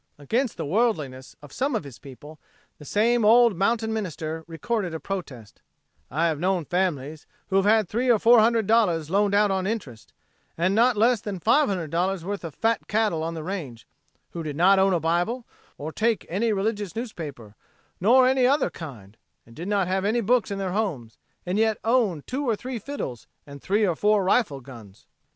Against the worldliness of some of his people, the same old mountain minister recorded a protest: "I have known families who had three or four hundred dollars loaned out on interest, and not less than five hundred dollars' worth of fat cattle on the range, who did not own a Bible, or take any religious newspaper, nor any other kind, and did not have any books in their homes, and yet owned two or three fiddles and three or four rifle guns."